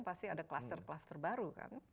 pasti ada klaster klaster baru